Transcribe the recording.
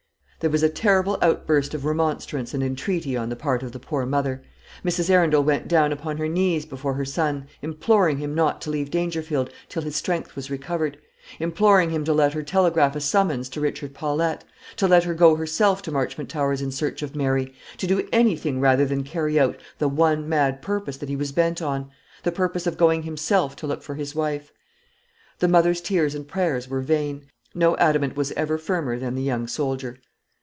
There was a terrible outburst of remonstrance and entreaty on the part of the poor mother. Mrs. Arundel went down upon her knees before her son, imploring him not to leave Dangerfield till his strength was recovered; imploring him to let her telegraph a summons to Richard Paulette; to let her go herself to Marchmont Towers in search of Mary; to do anything rather than carry out the one mad purpose that he was bent on, the purpose of going himself to look for his wife. The mother's tears and prayers were vain; no adamant was ever firmer than the young soldier.